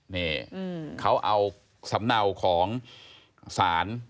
นี่เขาเอาสำเนาของศาล